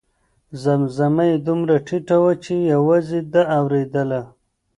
زمزمه یې دومره ټیټه وه چې یوازې ده اورېدله.